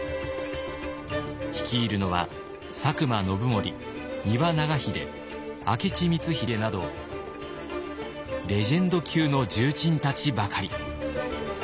率いるのは佐久間信盛丹羽長秀明智光秀などレジェンド級の重鎮たちばかり。